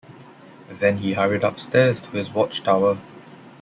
Then he hurried upstairs to his watch-tower.